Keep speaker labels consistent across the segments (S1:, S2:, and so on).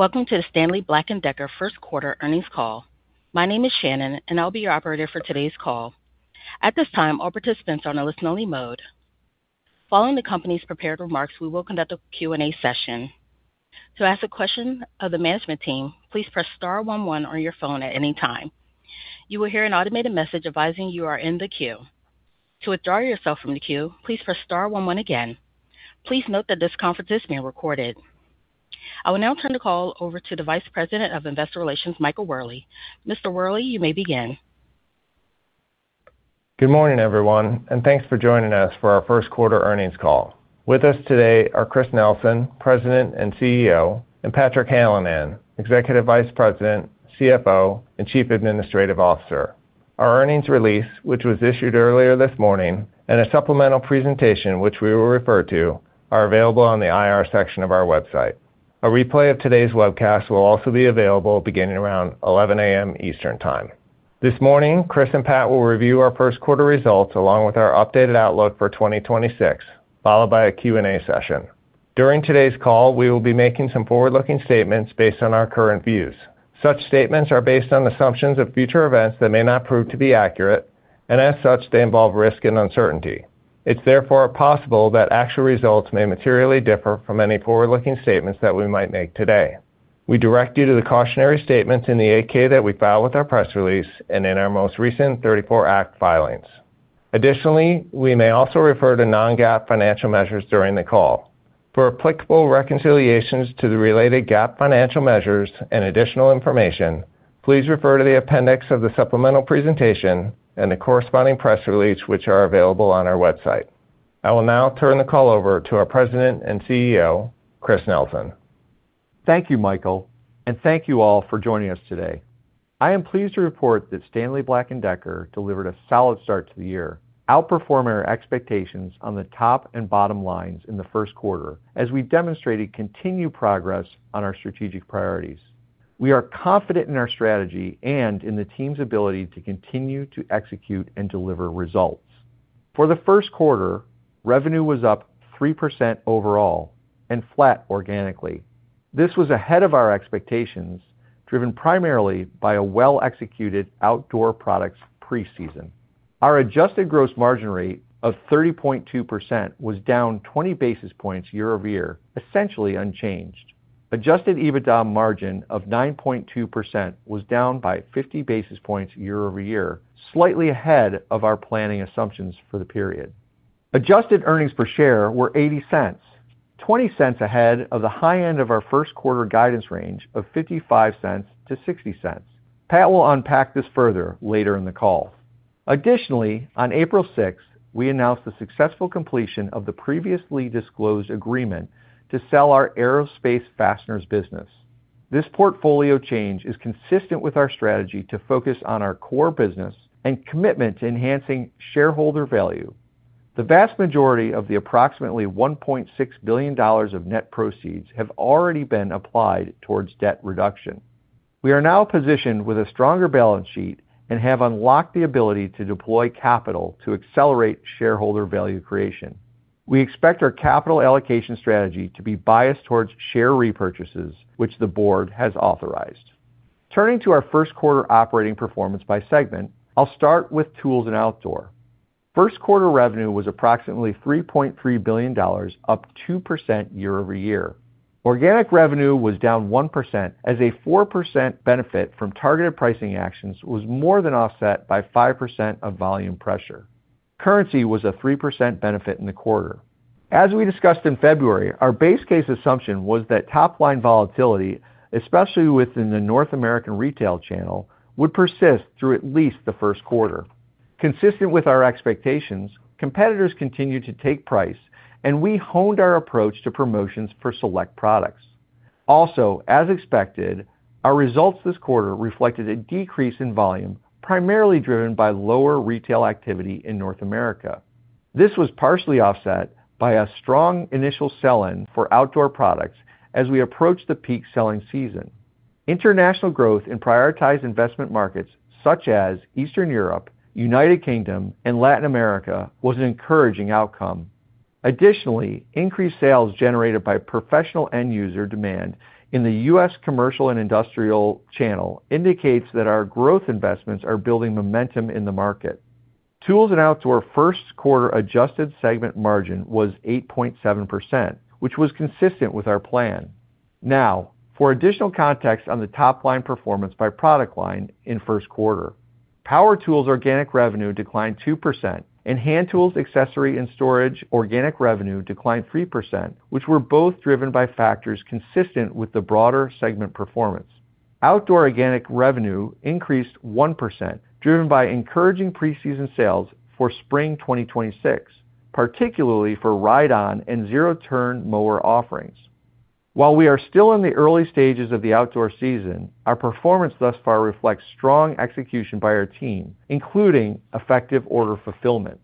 S1: Welcome to the Stanley Black & Decker First Quarter Earnings call. My name is Shannon and I'll be your operator for today's call. At this time all participants are in listen-only mode. Following the company's prepared remarks, we will conduct a Q&A session. To ask a question of the management team, please press star, one, one on your phone at any time. You will hear an automated message advising you are in the queue. To withdraw yourself from the queue, please press star, one, one again. I will now turn the call over to the Vice President of Investor Relations, Michael Wherley. Mr. Wherley, you may begin.
S2: Good morning, everyone. Thanks for joining us for our first quarter earnings call. With us today are Chris Nelson, President and CEO, and Patrick Hallinan, Executive Vice President, CFO, and Chief Administrative Officer. Our earnings release, which was issued earlier this morning, and a supplemental presentation, which we will refer to, are available on the IR section of our website. A replay of today's webcast will also be available beginning around 11:00 A.M. Eastern Time. This morning, Chris and Pat will review our first quarter results along with our updated outlook for 2026, followed by a Q&A session. During today's call, we will be making some forward-looking statements based on our current views. Such statements are based on assumptions of future events that may not prove to be accurate, and as such, they involve risk and uncertainty. It's therefore possible that actual results may materially differ from any forward-looking statements that we might make today. We direct you to the cautionary statements in the 8-K that we file with our press release and in our most recent 34 Act filings. We may also refer to non-GAAP financial measures during the call. For applicable reconciliations to the related GAAP financial measures and additional information, please refer to the appendix of the supplemental presentation and the corresponding press release, which are available on our website. I will now turn the call over to our President and CEO, Chris Nelson.
S3: Thank you, Michael, and thank you all for joining us today. I am pleased to report that Stanley Black & Decker delivered a solid start to the year, outperforming our expectations on the top and bottom lines in the first quarter as we demonstrated continued progress on our strategic priorities. We are confident in our strategy and in the team's ability to continue to execute and deliver results. For the first quarter, revenue was up 3% overall and flat organically. This was ahead of our expectations, driven primarily by a well-executed outdoor products preseason. Our adjusted gross margin rate of 30.2% was down 20 basis points year-over-year, essentially unchanged. Adjusted EBITDA margin of 9.2% was down by 50 basis points year-over-year, slightly ahead of our planning assumptions for the period. Adjusted earnings per share were $0.80, $0.20 ahead of the high end of our first quarter guidance range of $0.55-$0.60. Pat will unpack this further later in the call. Additionally, on April 6, we announced the successful completion of the previously disclosed agreement to sell our aerospace fasteners business. This portfolio change is consistent with our strategy to focus on our core business and commitment to enhancing shareholder value. The vast majority of the approximately $1.6 billion of net proceeds have already been applied towards debt reduction. We are now positioned with a stronger balance sheet and have unlocked the ability to deploy capital to accelerate shareholder value creation. We expect our capital allocation strategy to be biased towards share repurchases, which the board has authorized. Turning to our first quarter operating performance by segment, I'll start with Tools & Outdoor. First quarter revenue was approximately $3.3 billion, up 2% year-over-year. Organic revenue was down 1% as a 4% benefit from targeted pricing actions was more than offset by 5% of volume pressure. Currency was a 3% benefit in the quarter. As we discussed in February, our base case assumption was that top-line volatility, especially within the North American retail channel, would persist through at least the first quarter. Consistent with our expectations, competitors continued to take price, and we honed our approach to promotions for select products. As expected, our results this quarter reflected a decrease in volume, primarily driven by lower retail activity in North America. This was partially offset by a strong initial sell-in for outdoor products as we approach the peak selling season. International growth in prioritized investment markets such as Eastern Europe, U.K., and Latin America was an encouraging outcome. Additionally, increased sales generated by professional end user demand in the U.S. commercial and industrial channel indicates that our growth investments are building momentum in the market. Tools & Outdoor first quarter adjusted segment margin was 8.7%, which was consistent with our plan. Now, for additional context on the top line performance by product line in first quarter. Power tools organic revenue declined 2% and hand tools accessory and storage organic revenue declined 3%, which were both driven by factors consistent with the broader segment performance. Outdoor organic revenue increased 1%, driven by encouraging preseason sales for spring 2026, particularly for ride-on and zero-turn mower offerings. While we are still in the early stages of the outdoor season, our performance thus far reflects strong execution by our team, including effective order fulfillment.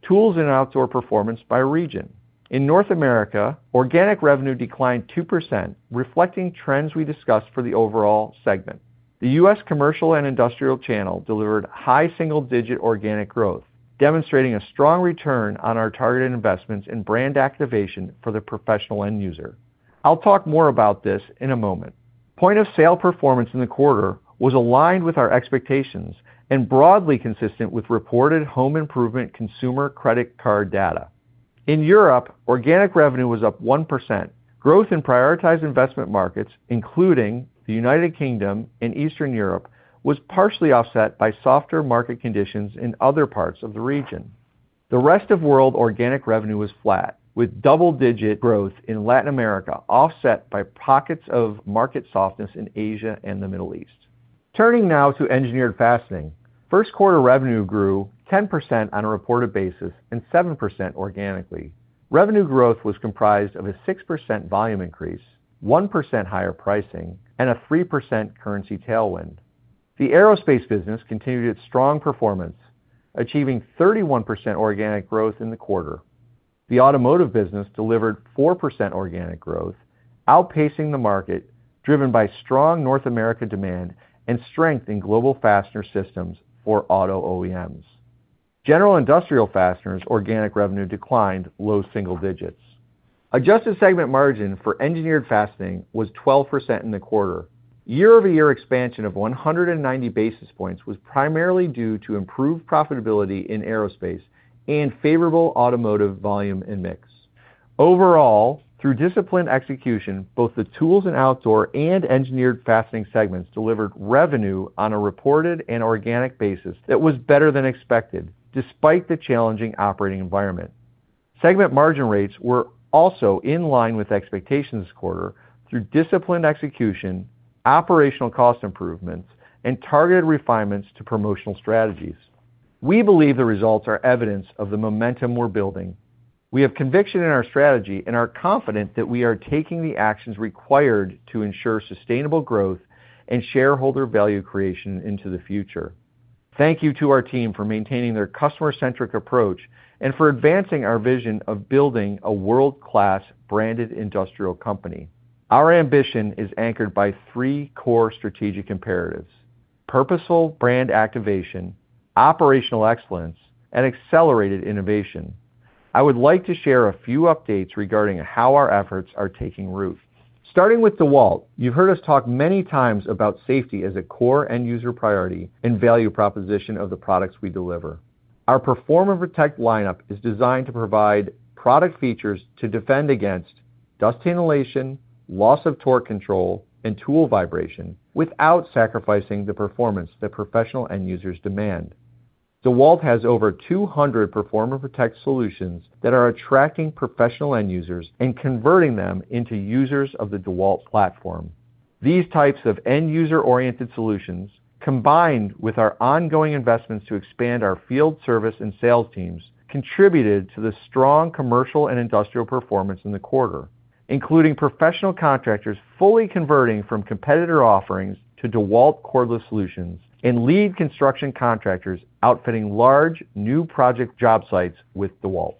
S3: Tools & Outdoor performance by region. In North America, organic revenue declined 2%, reflecting trends we discussed for the overall segment. The U.S. commercial and industrial channel delivered high single-digit organic growth, demonstrating a strong return on our targeted investments in brand activation for the professional end user. I'll talk more about this in a moment. Point of sale performance in the quarter was aligned with our expectations and broadly consistent with reported home improvement consumer credit card data. In Europe, organic revenue was up 1%. Growth in prioritized investment markets, including the United Kingdom and Eastern Europe, was partially offset by softer market conditions in other parts of the region. The rest of world organic revenue was flat, with double-digit growth in Latin America offset by pockets of market softness in Asia and the Middle East. Turning now to Engineered Fastening. First quarter revenue grew 10% on a reported basis and 7% organically. Revenue growth was comprised of a 6% volume increase, 1% higher pricing, and a 3% currency tailwind. The Aerospace Business continued its strong performance, achieving 31% organic growth in the quarter. The Automotive Business delivered 4% organic growth, outpacing the market, driven by strong North America demand and strength in global fastener systems for auto OEMs. General Industrial Fasteners organic revenue declined low single digits. Adjusted segment margin for Engineered Fastening was 12% in the quarter. Year-over-year expansion of 190 basis points was primarily due to improved profitability in aerospace and favorable automotive volume and mix. Through disciplined execution, both the Tools & Outdoor and Engineered Fastening segments delivered revenue on a reported and organic basis that was better than expected despite the challenging operating environment. Segment margin rates were also in line with expectations quarter through disciplined execution, operational cost improvements, and targeted refinements to promotional strategies. We believe the results are evidence of the momentum we're building. We have conviction in our strategy and are confident that we are taking the actions required to ensure sustainable growth and shareholder value creation into the future. Thank you to our team for maintaining their customer-centric approach and for advancing our vision of building a world-class branded industrial company. Our ambition is anchored by three core strategic imperatives: purposeful brand activation, operational excellence, and accelerated innovation. I would like to share a few updates regarding how our efforts are taking root. Starting with DEWALT, you've heard us talk many times about safety as a core end user priority and value proposition of the products we deliver. Our PERFORM & PROTECT lineup is designed to provide product features to defend against dust inhalation, loss of torque control, and tool vibration without sacrificing the performance that professional end users demand. DEWALT has over 200 PERFORM & PROTECT solutions that are attracting professional end users and converting them into users of the DEWALT platform. These types of end-user-oriented solutions, combined with our ongoing investments to expand our field service and sales teams, contributed to the strong commercial and industrial performance in the quarter, including professional contractors fully converting from competitor offerings to DEWALT cordless solutions and lead construction contractors outfitting large new project job sites with DEWALT.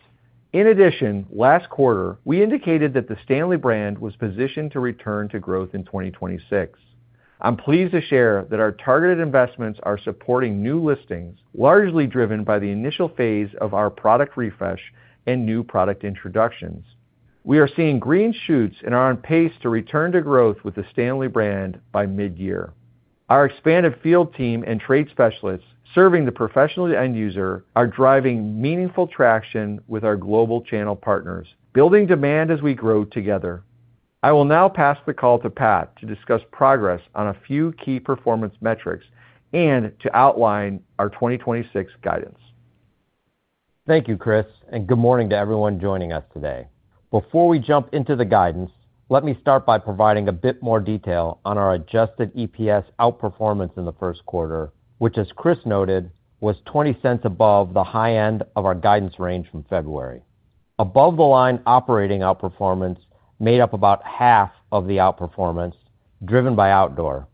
S3: In addition, last quarter, we indicated that the Stanley brand was positioned to return to growth in 2026. I'm pleased to share that our targeted investments are supporting new listings, largely driven by the initial phase of our product refresh and new product introductions. We are seeing green shoots and are on pace to return to growth with the Stanley brand by mid-year. Our expanded field team and trade specialists serving the professional end user are driving meaningful traction with our global channel partners, building demand as we grow together. I will now pass the call to Pat to discuss progress on a few key performance metrics and to outline our 2026 guidance.
S4: Thank you, Chris, and good morning to everyone joining us today. Before we jump into the guidance, let me start by providing a bit more detail on our adjusted EPS outperformance in the first quarter, which, as Chris noted, was $0.20 above the high end of our guidance range from February. Above the line operating outperformance made up about half of the outperformance driven by Outdoor.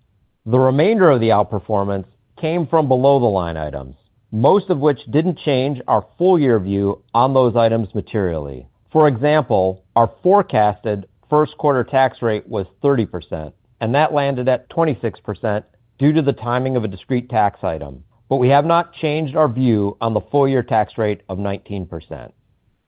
S4: The remainder of the outperformance came from below the line items, most of which didn't change our full year view on those items materially. For example, our forecasted first quarter tax rate was 30%, and that landed at 26% due to the timing of a discrete tax item. We have not changed our view on the full year tax rate of 19%.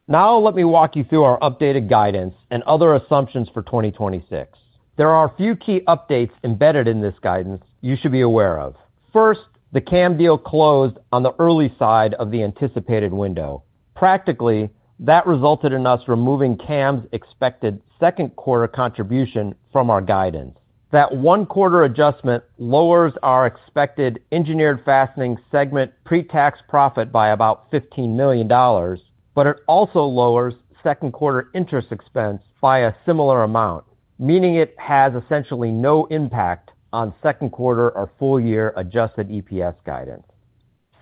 S4: Now let me walk you through our updated guidance and other assumptions for 2026. There are a few key updates embedded in this guidance you should be aware of. First, the CAM deal closed on the early side of the anticipated window. Practically, that resulted in us removing CAM's expected second quarter contribution from our guidance. That one quarter adjustment lowers our expected engineered fastening segment pre-tax profit by about $15 million, but it also lowers second quarter interest expense by a similar amount, meaning it has essentially no impact on second quarter or full year adjusted EPS guidance.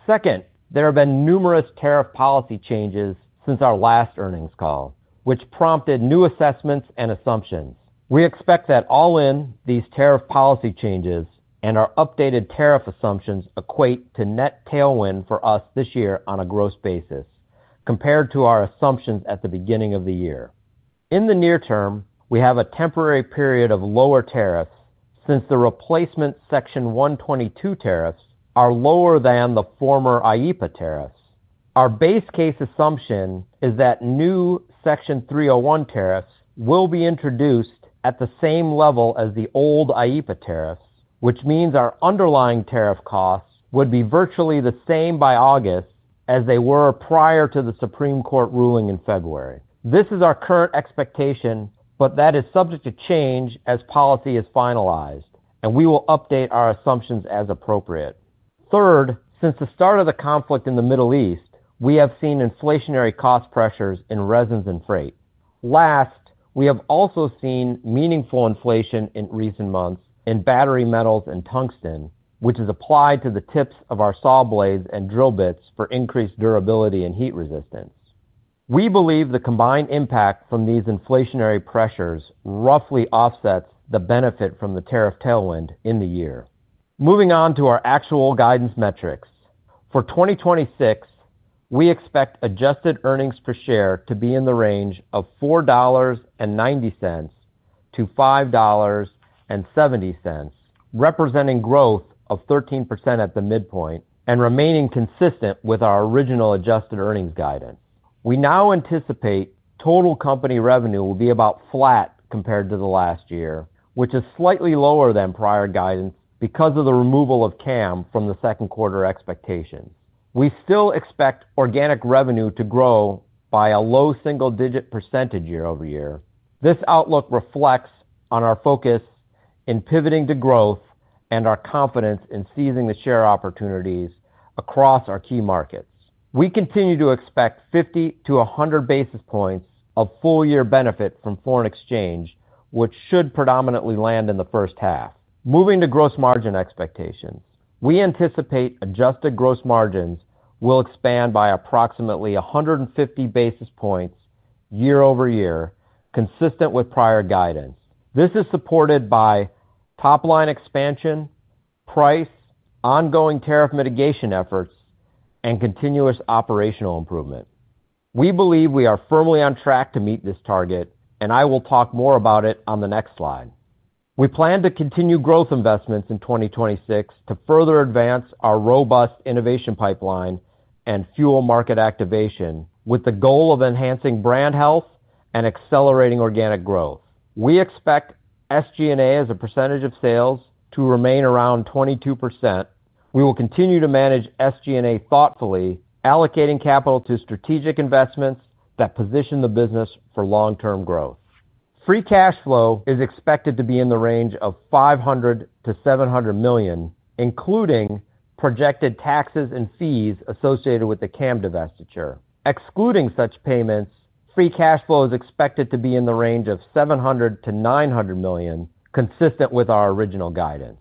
S4: Second, there have been numerous tariff policy changes since our last earnings call, which prompted new assessments and assumptions. We expect that all in these tariff policy changes and our updated tariff assumptions equate to net tailwind for us this year on a gross basis compared to our assumptions at the beginning of the year. In the near term, we have a temporary period of lower tariffs since the replacement Section 122 tariffs are lower than the former IEEPA tariffs. Our base case assumption is that new Section 301 tariffs will be introduced at the same level as the old IEEPA tariffs, which means our underlying tariff costs would be virtually the same by August as they were prior to the Supreme Court ruling in February. This is our current expectation, but that is subject to change as policy is finalized, and we will update our assumptions as appropriate. Third, since the start of the conflict in the Middle East, we have seen inflationary cost pressures in resins and freight. Last, we have also seen meaningful inflation in recent months in battery metals and tungsten, which is applied to the tips of our saw blades and drill bits for increased durability and heat resistance. We believe the combined impact from these inflationary pressures roughly offsets the benefit from the tariff tailwind in the year. Moving on to our actual guidance metrics. For 2026, we expect adjusted earnings per share to be in the range of $4.90 to $5.70, representing growth of 13% at the midpoint and remaining consistent with our original adjusted earnings guidance. We now anticipate total company revenue will be about flat compared to the last year, which is slightly lower than prior guidance because of the removal of CAM from the second quarter expectations. We still expect organic revenue to grow by a low single-digit percentage year-over-year. This outlook reflects on our focus in pivoting to growth and our confidence in seizing the share opportunities across our key markets. We continue to expect 50 to 100 basis points of full-year benefit from foreign exchange, which should predominantly land in the first half. Moving to gross margin expectations. We anticipate adjusted gross margins will expand by approximately 150 basis points year-over-year, consistent with prior guidance. This is supported by top-line expansion, price, ongoing tariff mitigation efforts, and continuous operational improvement. We believe we are firmly on track to meet this target, and I will talk more about it on the next slide. We plan to continue growth investments in 2026 to further advance our robust innovation pipeline and fuel market activation with the goal of enhancing brand health and accelerating organic growth. We expect SG&A as a percentage of sales to remain around 22%. We will continue to manage SG&A thoughtfully, allocating capital to strategic investments that position the business for long-term growth. Free cash flow is expected to be in the range of $500 million-$700 million, including projected taxes and fees associated with the CAM divestiture. Excluding such payments, free cash flow is expected to be in the range of $700 million-$900 million, consistent with our original guidance.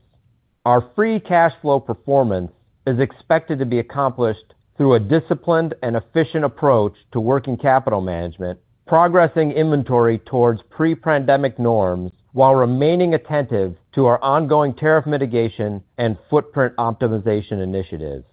S4: Our free cash flow performance is expected to be accomplished through a disciplined and efficient approach to working capital management, progressing inventory towards pre-pandemic norms while remaining attentive to our ongoing tariff mitigation and footprint optimization initiatives.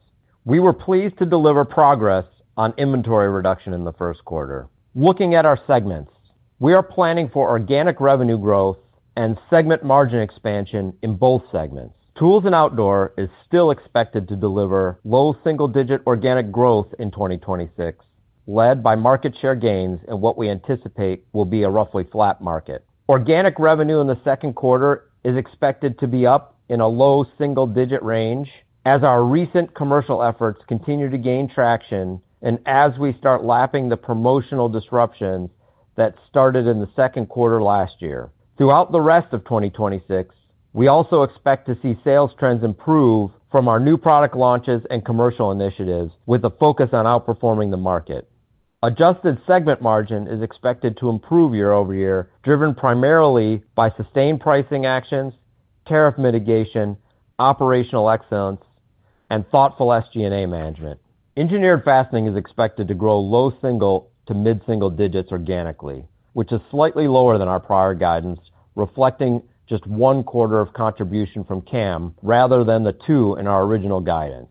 S4: We were pleased to deliver progress on inventory reduction in the first quarter. Looking at our segments. We are planning for organic revenue growth and segment margin expansion in both segments. Tools & Outdoor is still expected to deliver low single-digit organic growth in 2026, led by market share gains in what we anticipate will be a roughly flat market. Organic revenue in the second quarter is expected to be up in a low single-digit range as our recent commercial efforts continue to gain traction and as we start lapping the promotional disruption that started in the second quarter last year. Throughout the rest of 2026, we also expect to see sales trends improve from our new product launches and commercial initiatives with a focus on outperforming the market. Adjusted segment margin is expected to improve year-over-year, driven primarily by sustained pricing actions, tariff mitigation, operational excellence, and thoughtful SG&A management. Engineered fastening is expected to grow low single- to mid-single-digits organically, which is slightly lower than our prior guidance, reflecting just 1 quarter of contribution from CAM rather than the 2 in our original guidance.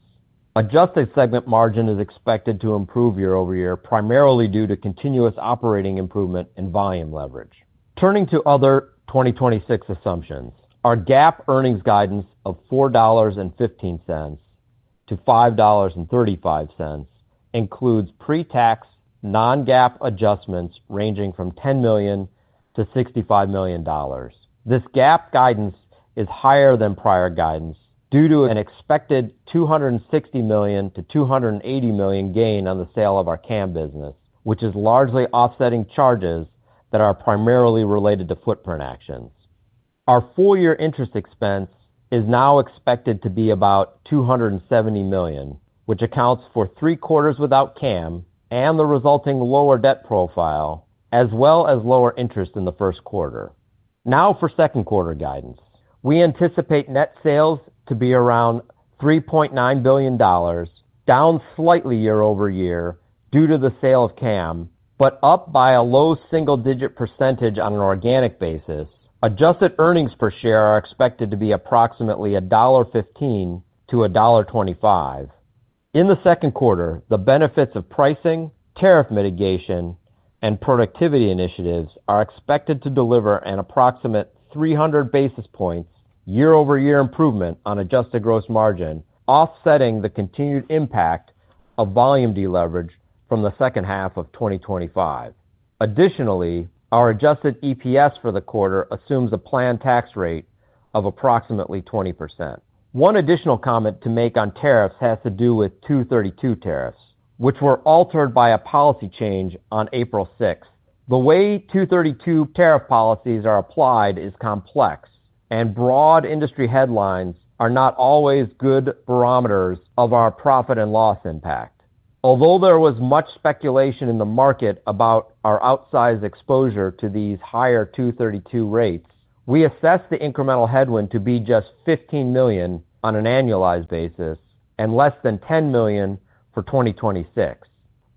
S4: Adjusted segment margin is expected to improve year-over-year, primarily due to continuous operating improvement and volume leverage. Turning to other 2026 assumptions. Our GAAP earnings guidance of $4.15-$5.35 includes pre-tax non-GAAP adjustments ranging from $10 million-$65 million. This GAAP guidance is higher than prior guidance due to an expected $260 million-$280 million gain on the sale of our CAM business, which is largely offsetting charges that are primarily related to footprint actions. Our full-year interest expense is now expected to be about $270 million, which accounts for three quarters without CAM and the resulting lower debt profile as well as lower interest in the first quarter. Now for second quarter guidance. We anticipate net sales to be around $3.9 billion, down slightly year-over-year due to the sale of CAM, but up by a low single-digit % on an organic basis. Adjusted earnings per share are expected to be approximately $1.15-$1.25. In the second quarter, the benefits of pricing, tariff mitigation, and productivity initiatives are expected to deliver an approximate 300 basis points year-over-year improvement on adjusted gross margin, offsetting the continued impact of volume deleverage from the second half of 2025. Additionally, our adjusted EPS for the quarter assumes a planned tax rate of approximately 20%. One additional comment to make on tariffs has to do with 232 tariffs, which were altered by a policy change on April 6. The way 232 tariff policies are applied is complex, and broad industry headlines are not always good barometers of our profit and loss impact. Although there was much speculation in the market about our outsized exposure to these higher Section 232 rates, we assess the incremental headwind to be just $15 million on an annualized basis and less than $10 million for 2026.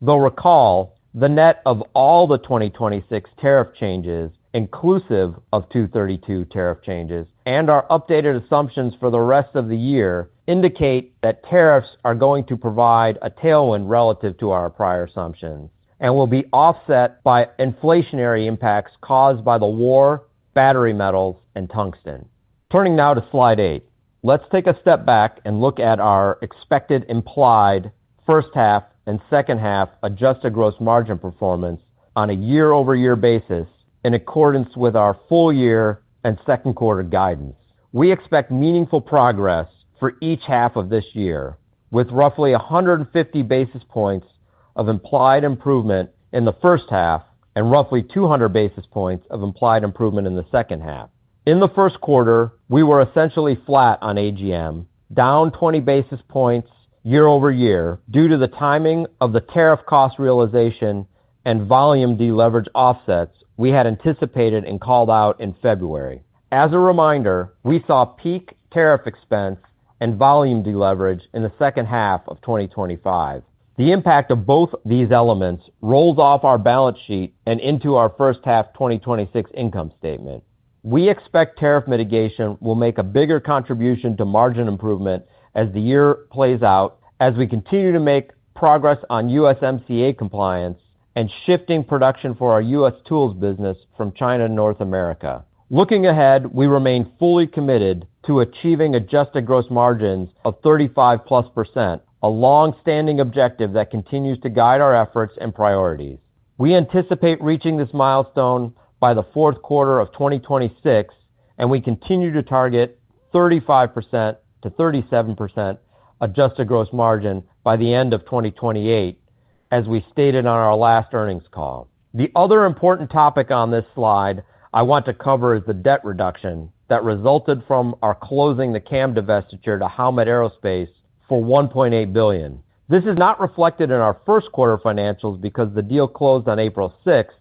S4: Recall, the net of all the 2026 tariff changes inclusive of Section 232 tariff changes and our updated assumptions for the rest of the year indicate that tariffs are going to provide a tailwind relative to our prior assumptions and will be offset by inflationary impacts caused by the war, battery metals, and tungsten. Turning now to slide eight. Let's take a step back and look at our expected implied first half and second half adjusted gross margin performance on a year-over-year basis in accordance with our full year and second quarter guidance. We expect meaningful progress for each half of this year, with roughly 150 basis points of implied improvement in the first half and roughly 200 basis points of implied improvement in the second half. In the first quarter, we were essentially flat on AGM, down 20 basis points year-over-year due to the timing of the tariff cost realization and volume deleverage offsets we had anticipated and called out in February. As a reminder, we saw peak tariff expense and volume deleverage in the second half of 2025. The impact of both these elements rolled off our balance sheet and into our first half 2026 income statement. We expect tariff mitigation will make a bigger contribution to margin improvement as the year plays out as we continue to make progress on USMCA compliance and shifting production for our U.S. tools business from China to North America. Looking ahead, we remain fully committed to achieving adjusted gross margins of 35+%, a long-standing objective that continues to guide our efforts and priorities. We anticipate reaching this milestone by the fourth quarter of 2026, and we continue to target 35%-37% adjusted gross margin by the end of 2028, as we stated on our last earnings call. The other important topic on this slide I want to cover is the debt reduction that resulted from our closing the CAM divestiture to Howmet Aerospace for $1.8 billion. This is not reflected in our first quarter financials because the deal closed on April sixth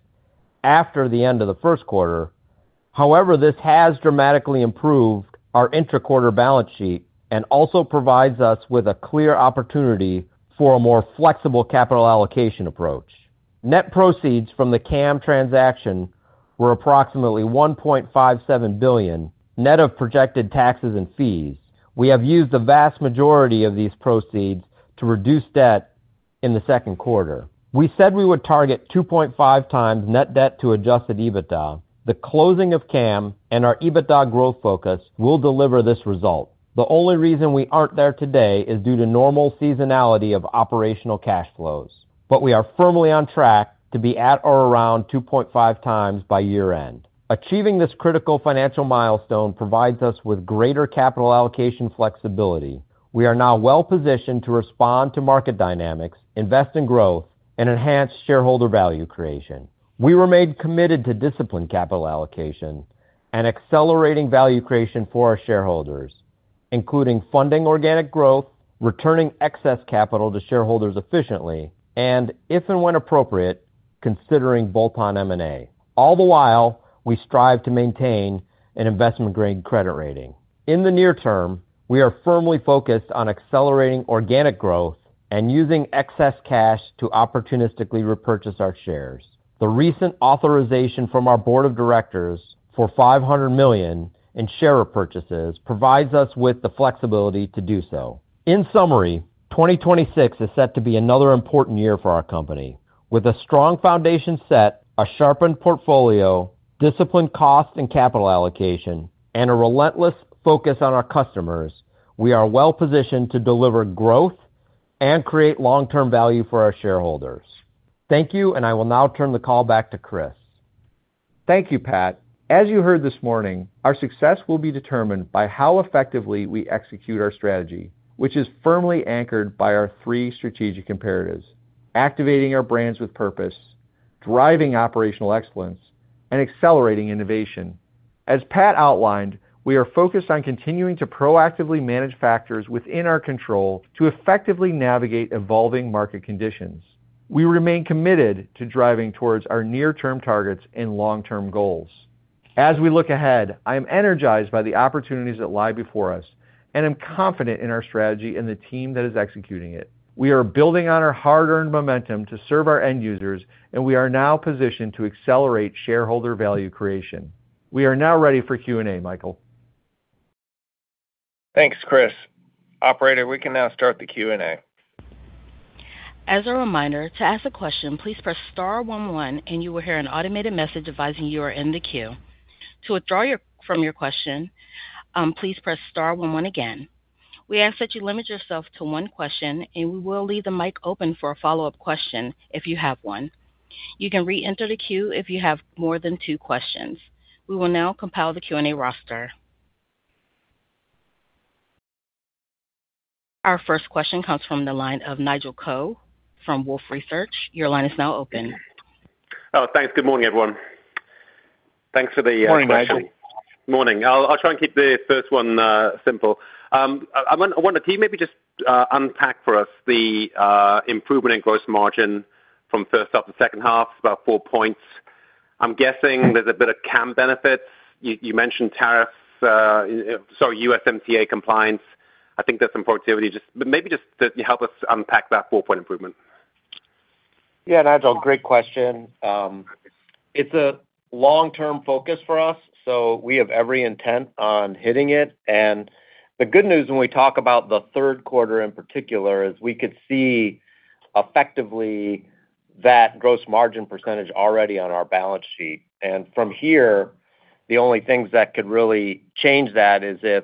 S4: after the end of the first quarter. However, this has dramatically improved our intra-quarter balance sheet and also provides us with a clear opportunity for a more flexible capital allocation approach. Net proceeds from the CAM transaction were approximately $1.57 billion, net of projected taxes and fees. We have used the vast majority of these proceeds to reduce debt in the second quarter. We said we would target 2.5 times net debt to adjusted EBITDA. The closing of CAM and our EBITDA growth focus will deliver this result. The only reason we aren't there today is due to normal seasonality of operational cash flows. We are firmly on track to be at or around 2.5 times by year-end. Achieving this critical financial milestone provides us with greater capital allocation flexibility. We are now well-positioned to respond to market dynamics, invest in growth, and enhance shareholder value creation. We remain committed to disciplined capital allocation and accelerating value creation for our shareholders, including funding organic growth, returning excess capital to shareholders efficiently, and if and when appropriate, considering bolt-on M&A. All the while, we strive to maintain an investment-grade credit rating. In the near term, we are firmly focused on accelerating organic growth and using excess cash to opportunistically repurchase our shares. The recent authorization from our board of directors for $500 million in share repurchases provides us with the flexibility to do so. In summary, 2026 is set to be another important year for our company. With a strong foundation set, a sharpened portfolio, disciplined cost and capital allocation, and a relentless focus on our customers, we are well-positioned to deliver growth and create long-term value for our shareholders. Thank you, and I will now turn the call back to Chris.
S3: Thank you, Pat. As you heard this morning, our success will be determined by how effectively we execute our strategy, which is firmly anchored by our three strategic imperatives: activating our brands with purpose, driving operational excellence, and accelerating innovation. As Pat outlined, we are focused on continuing to proactively manage factors within our control to effectively navigate evolving market conditions. We remain committed to driving towards our near-term targets and long-term goals. As we look ahead, I am energized by the opportunities that lie before us, and I'm confident in our strategy and the team that is executing it. We are building on our hard-earned momentum to serve our end users, and we are now positioned to accelerate shareholder value creation. We are now ready for Q&A, Michael.
S2: Thanks, Chris. Operator, we can now start the Q&A.
S1: As a reminder, to ask a question, please press star, one, one and you will hear an automated message advising you're in the queue. To withdraw your question, please press star, one, one again. We ask that you limit yourself to one question, and we will leave the mic open for a follow-up question if you have one. You can reenter the queue if you have more than two questions. We will now compile the Q&A roster. Our first question comes from the line of Nigel Coe from Wolfe Research. Your line is now open.
S5: Oh, thanks. Good morning, everyone. Thanks for the.
S3: Morning, Nigel.
S5: Morning. I'll try and keep the first one simple. I wonder, can you maybe just unpack for us the improvement in gross margin from first half to second half, about four points. I'm guessing there's a bit of CAM benefits. You mentioned tariffs, so USMCA compliance. I think there's some productivity. Maybe just to help us unpack that four-point improvement.
S4: Yeah, Nigel, great question. It's a long-term focus for us, so we have every intent on hitting it. The good news when we talk about the third quarter in particular is we could see effectively that gross margin percentage already on our balance sheet. From here, the only things that could really change that is if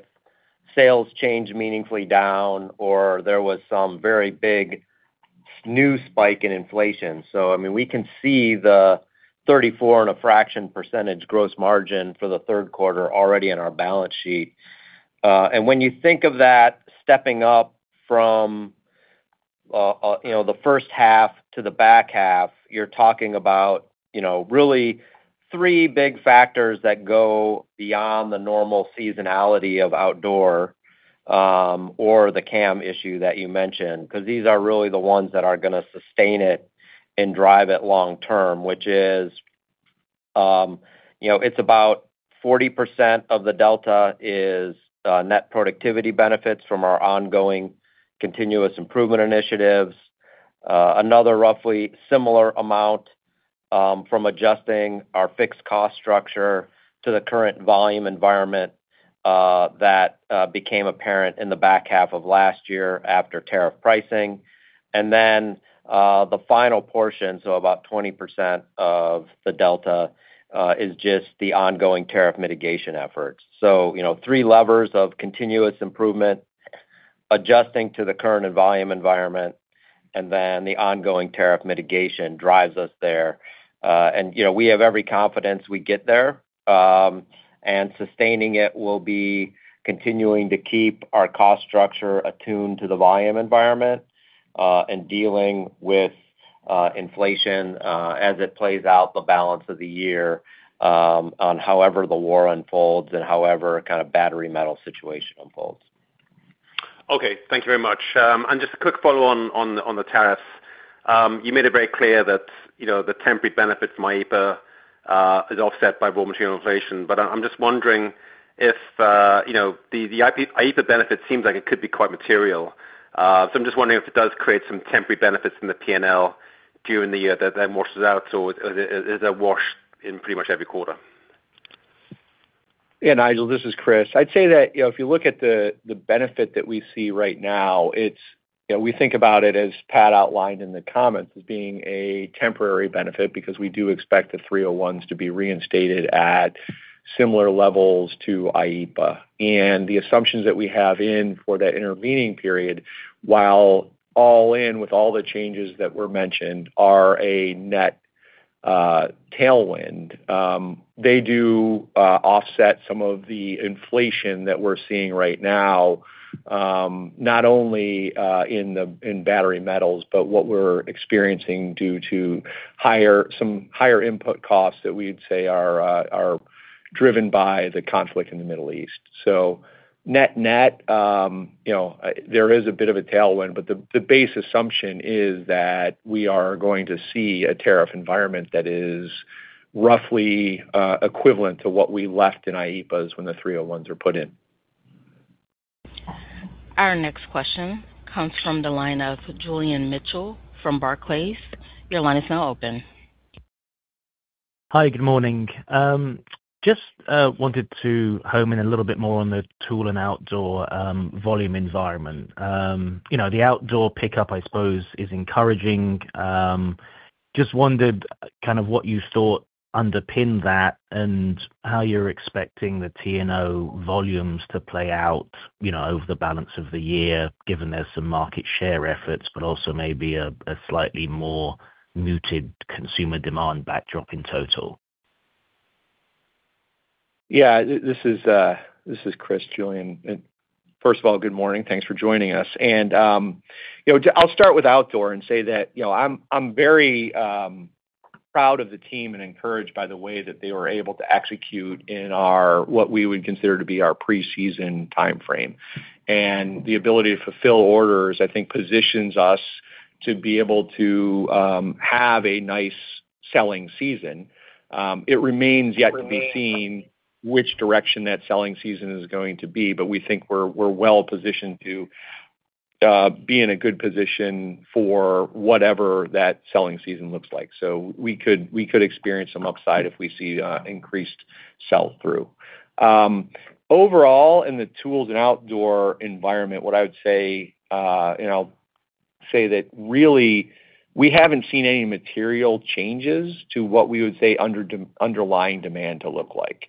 S4: sales change meaningfully down or there was some very big new spike in inflation. I mean, we can see the 34 and a fraction percentage gross margin for the third quarter already in our balance sheet. When you think of that stepping up from, you know, the first half to the back half, you're talking about, you know, really 3 big factors that go beyond the normal seasonality of Outdoor or the CAM issue that you mentioned. These are really the ones that are gonna sustain it and drive it long term, which is, you know, it's about 40% of the delta is net productivity benefits from our ongoing continuous improvement initiatives. Another roughly similar amount from adjusting our fixed cost structure to the current volume environment that became apparent in the back half of last year after tariff pricing. The final portion, so about 20% of the delta, is just the ongoing tariff mitigation efforts. You know, three levers of continuous improvement, adjusting to the current and volume environment, and then the ongoing tariff mitigation drives us there. You know, we have every confidence we get there, and sustaining it will be continuing to keep our cost structure attuned to the volume environment, and dealing with inflation as it plays out the balance of the year, on however the war unfolds and however kind of battery metal situation unfolds.
S5: Okay. Thank you very much. Just a quick follow on the tariffs. You made it very clear that, you know, the temporary benefits from IEEPA is offset by raw material inflation. I'm just wondering if, you know, the IEEPA benefit seems like it could be quite material. I'm just wondering if it does create some temporary benefits in the P&L during the year that then washes out, or is it a wash in pretty much every quarter?
S3: Yeah, Nigel, this is Chris. I'd say that, you know, if you look at the benefit that we see right now, it's you know, we think about it, as Pat outlined in the comments, as being a temporary benefit because we do expect the 301s to be reinstated at similar levels to IEEPA. The assumptions that we have in for that intervening period, while all in with all the changes that were mentioned, are a net tailwind. They do offset some of the inflation that we're seeing right now, not only in battery metals, but what we're experiencing due to some higher input costs that we'd say are driven by the conflict in the Middle East. Net-net, you know, there is a bit of a tailwind, but the base assumption is that we are going to see a tariff environment that is roughly equivalent to what we left in IEEPA when the 301s are put in.
S1: Our next question comes from the line of Julian Mitchell from Barclays.
S6: Hi, good morning. Just wanted to home in a little bit more on the Tool & Outdoor volume environment. You know, the Outdoor pickup, I suppose, is encouraging. Just wondered kind of what you thought underpinned that and how you're expecting the T&O volumes to play out, you know, over the balance of the year, given there's some market share efforts, but also maybe a slightly more muted consumer demand backdrop in total?
S3: This is Chris, Julian. First of all, good morning. Thanks for joining us. You know, I'll start with Outdoor and say that, you know, I'm very proud of the team and encouraged by the way that they were able to execute what we would consider to be our preseason timeframe. The ability to fulfill orders, I think, positions us to be able to have a nice selling season. It remains yet to be seen which direction that selling season is going to be, but we think we're well-positioned to be in a good position for whatever that selling season looks like. We could experience some upside if we see increased sell-through. Overall, in the Tools & Outdoor environment, what I would say, you know, we haven't seen any material changes to what we would say underlying demand to look like.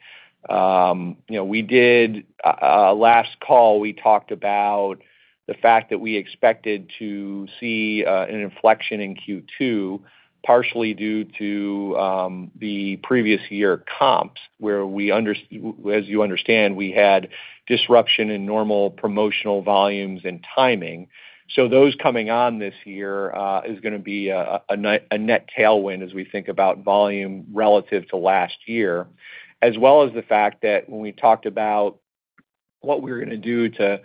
S3: You know, we did Last call, we talked about the fact that we expected to see an inflection in Q2, partially due to the previous year comps, whereas you understand, we had disruption in normal promotional volumes and timing. Those coming on this year is gonna be a net tailwind as we think about volume relative to last year. As well as the fact that when we talked about what we were gonna do to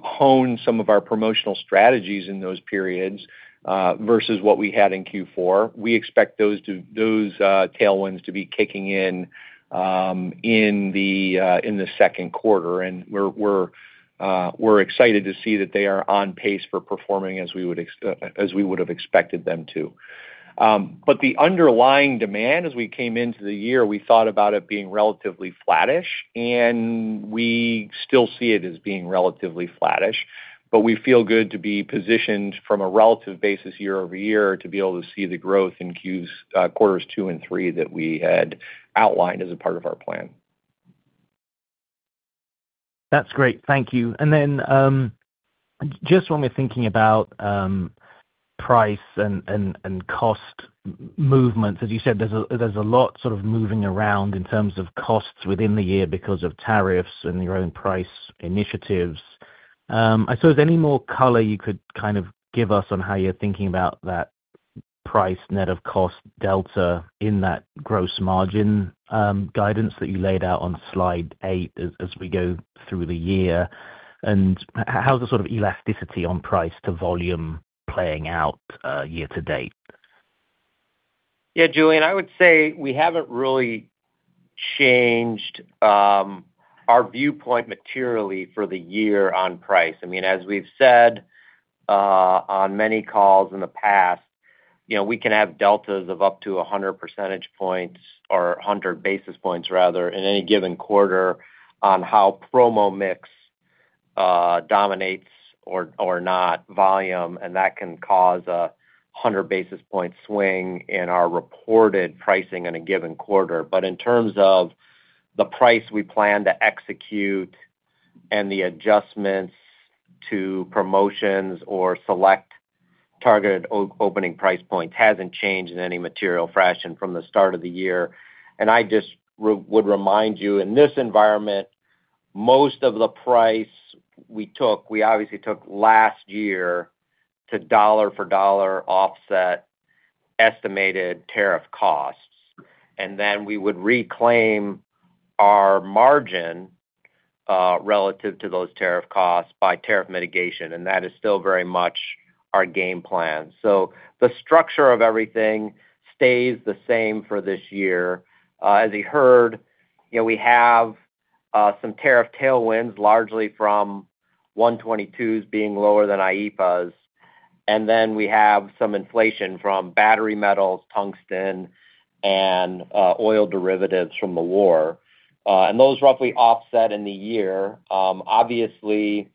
S3: hone some of our promotional strategies in those periods, versus what we had in Q4, we expect those those tailwinds to be kicking in the second quarter. We're, we're excited to see that they are on pace for performing as we would have expected them to. The underlying demand as we came into the year, we thought about it being relatively flattish, and we still see it as being relatively flattish. We feel good to be positioned from a relative basis year-over-year to be able to see the growth in Qs, quarters two and three that we had outlined as a part of our plan.
S6: That's great. Thank you. Then, just when we're thinking about price and, and cost movements, as you said, there's a lot sort of moving around in terms of costs within the year because of tariffs and your own price initiatives. I suppose any more color you could kind of give us on how you're thinking about that price net of cost delta in that gross margin guidance that you laid out on slide eight as we go through the year. How's the sort of elasticity on price to volume playing out year-to-date?
S4: Julian, I would say we haven't really changed our viewpoint materially for the year on price. I mean, as we've said, on many calls in the past, you know, we can have deltas of up to 100 percentage points or 100 basis points rather, in any given quarter on how promo mix dominates or not volume, and that can cause a 100 basis points swing in our reported pricing in a given quarter. In terms of the price we plan to execute and the adjustments to promotions or select targeted opening price points hasn't changed in any material fashion from the start of the year. I just would remind you, in this environment, most of the price we took, we obviously took last year to dollar for dollar offset estimated tariff costs, then we would reclaim our margin relative to those tariff costs by tariff mitigation, and that is still very much our game plan. The structure of everything stays the same for this year. As you heard, you know, we have some tariff tailwinds, largely from Section 122's being lower than IEEPA's. Then we have some inflation from battery metals, tungsten, and oil derivatives from the war. Those roughly offset in the year. Obviously,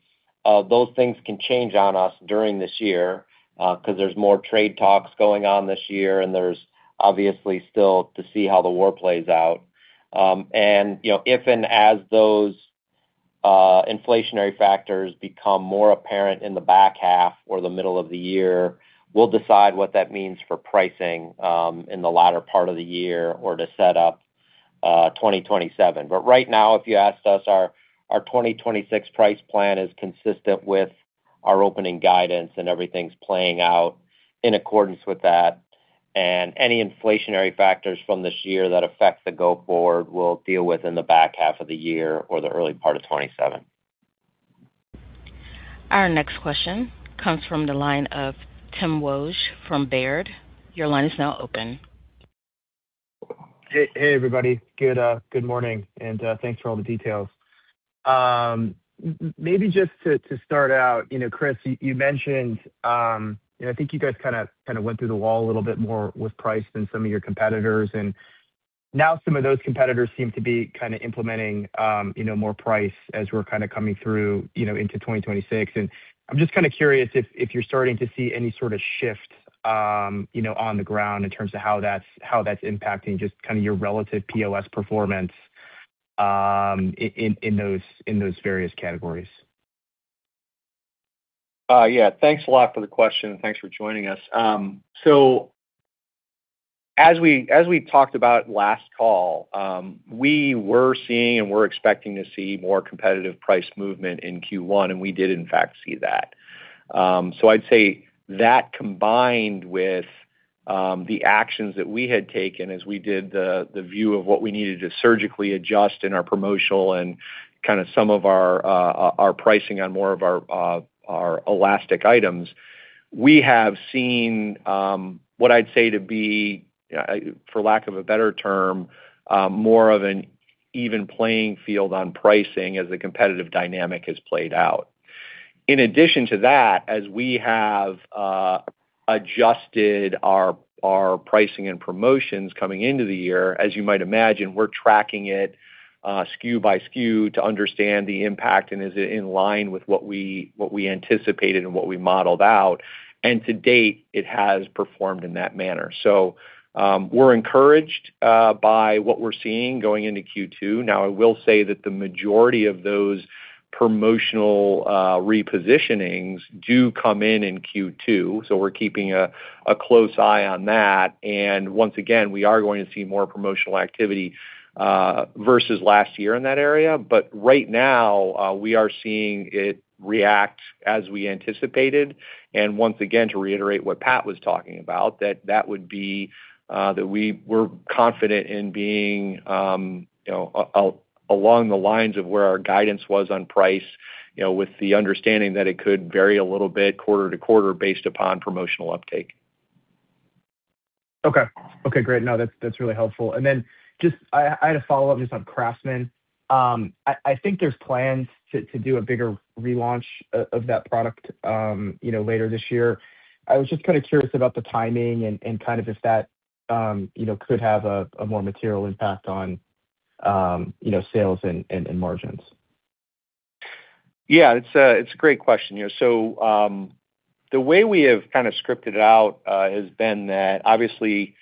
S4: those things can change on us during this year, 'cause there's more trade talks going on this year, and there's obviously still to see how the war plays out. You know, if and as those inflationary factors become more apparent in the back half or the middle of the year, we'll decide what that means for pricing in the latter part of the year or to set up 2027. Right now, if you asked us, our 2026 price plan is consistent with our opening guidance, and everything's playing out in accordance with that. Any inflationary factors from this year that affect the go forward, we'll deal with in the back half of the year or the early part of 2027.
S1: Our next question comes from the line of Timothy Wojs from Baird. Your line is now open.
S7: Hey, hey, everybody. Good morning, and thanks for all the details. Maybe just to start out, you know, Chris, you mentioned, you know, I think you guys kinda went through the wall a little bit more with price than some of your competitors. Now some of those competitors seem to be kinda implementing, more price as we're kinda coming through, into 2026. I'm just kinda curious if you're starting to see any sorta shift, you know, on the ground in terms of how that's impacting just kinda your relative POS performance, in those various categories.
S3: Thanks a lot for the question, and thanks for joining us. As we, as we talked about last call, we were seeing and we're expecting to see more competitive price movement in Q1, and we did in fact see that. I'd say that combined with the actions that we had taken as we did the view of what we needed to surgically adjust in our promotional and kind of some of our pricing on more of our elastic items. We have seen what I'd say to be, for lack of a better term, more of an even playing field on pricing as the competitive dynamic has played out. In addition to that, as we have adjusted our pricing and promotions coming into the year, as you might imagine, we're tracking it SKU by SKU to understand the impact and is it in line with what we anticipated and what we modeled out. To date, it has performed in that manner. We're encouraged by what we're seeing going into Q2. Now, I will say that the majority of those promotional repositionings do come in in Q2, so we're keeping a close eye on that. Once again, we are going to see more promotional activity versus last year in that area. Right now, we are seeing it react as we anticipated. Once again, to reiterate what Pat was talking about, that that would be, that we were confident in being, you know, along the lines of where our guidance was on price, you know, with the understanding that it could vary a little bit quarter to quarter based upon promotional uptake.
S7: Okay. Okay, great. No, that's really helpful. Just I had a follow-up just on CRAFTSMAN. I think there's plans to do a bigger relaunch of that product, you know, later this year. I was just kind of curious about the timing and kind of if that, you know, could have a more material impact on, you know, sales and, and margins.
S3: It's a great question. The way we have kinda scripted it out has been that obviously,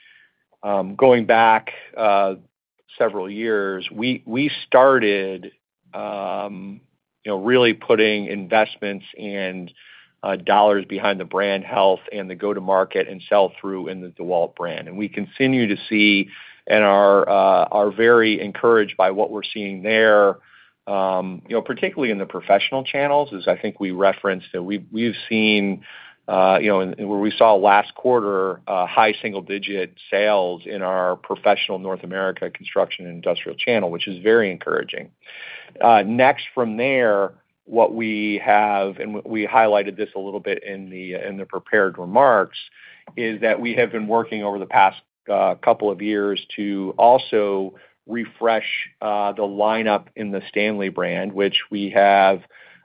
S3: going back several years, we started, you know, really putting investments and dollars behind the brand health and the go-to-market and sell-through in the DEWALT brand. We continue to see and are very encouraged by what we're seeing there, you know, particularly in the professional channels. As I think we referenced, that we've seen, you know, and where we saw last quarter, high single-digit sales in our professional North America construction and industrial channel, which is very encouraging. Next from there, what we have, We highlighted this a little bit in the prepared remarks, is that we have been working over the past couple of years to also refresh the lineup in the Stanley brand, which we have,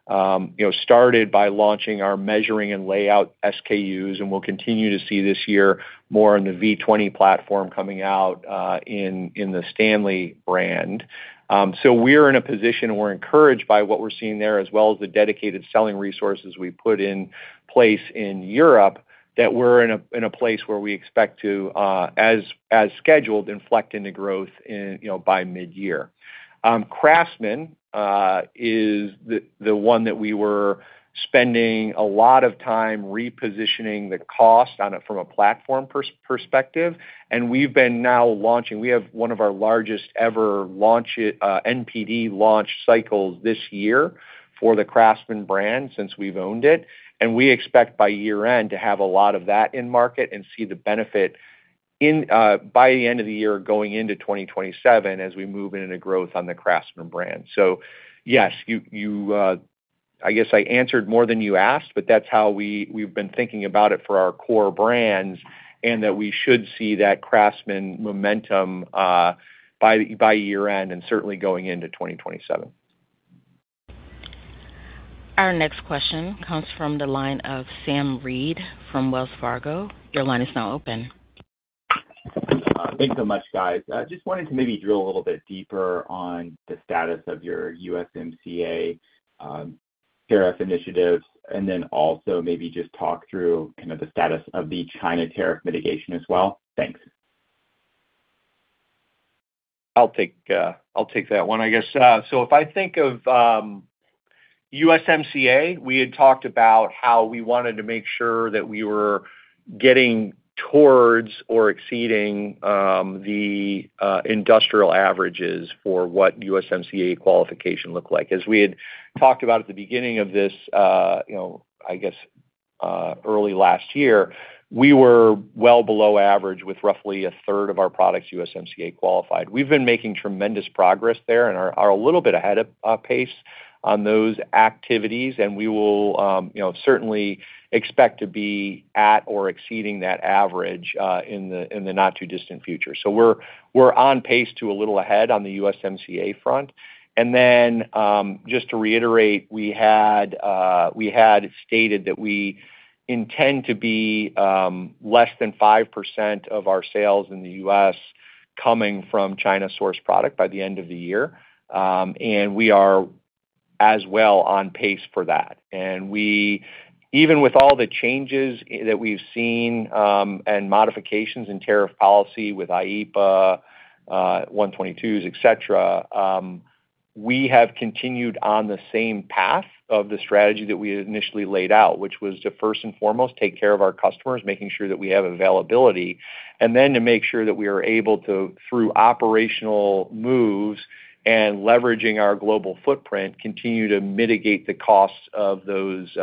S3: you know, started by launching our measuring and layout SKUs, and we'll continue to see this year more on the V20 platform coming out in the Stanley brand. We're in a position and we're encouraged by what we're seeing there, as well as the dedicated selling resources we've put in place in Europe, that we're in a place where we expect to, as scheduled, inflect into growth in, you know, by mid-year. CRAFTSMAN is the one that we were spending a lot of time repositioning the cost from a platform perspective, and we've been now launching. We have one of our largest ever launch NPD launch cycles this year for the CRAFTSMAN brand since we've owned it. We expect by year-end to have a lot of that in market and see the benefit in by the end of the year going into 2027 as we move into growth on the CRAFTSMAN brand. Yes, you I guess I answered more than you asked, but that's how we've been thinking about it for our core brands, and that we should see that CRAFTSMAN momentum by year-end and certainly going into 2027.
S1: Our next question comes from the line of Sam Reid from Wells Fargo. Your line is now open.
S8: Thanks so much, guys. I just wanted to maybe drill a little bit deeper on the status of your USMCA, tariff initiatives, and then also maybe just talk through kind of the status of the China tariff mitigation as well. Thanks.
S3: I'll take that one, I guess. If I think of USMCA, we had talked about how we wanted to make sure that we were getting towards or exceeding the industrial averages for what USMCA qualification looked like. As we had talked about at the beginning of this, you know, I guess, early last year, we were well below average with roughly a third of our products USMCA qualified. We've been making tremendous progress there and are a little bit ahead of pace on those activities, and we will, you know, certainly expect to be at or exceeding that average in the not-too-distant future. We're on pace to a little ahead on the USMCA front. Just to reiterate, we had stated that we intend to be less than 5% of our sales in the U.S. coming from China source product by the end of the year. We are as well on pace for that. Even with all the changes that we've seen, and modifications in tariff policy with IEEPA, Section 122s, et cetera, we have continued on the same path of the strategy that we had initially laid out, which was to, first and foremost, take care of our customers, making sure that we have availability, and then to make sure that we are able to, through operational moves and leveraging our global footprint, continue to mitigate the costs of those,